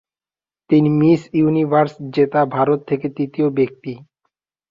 তিনি Miss Universe জেতা ভারত থেকে তৃতীয় ব্যক্তি।